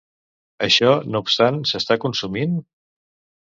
Això no obstant, s'està consumint?